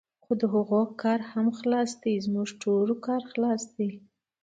خو د هغوی کار هم خلاص دی، زموږ ټولو کار خلاص دی.